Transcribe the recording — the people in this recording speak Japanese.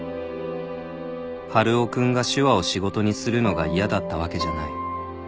「春尾君が手話を仕事にするのが嫌だったわけじゃない」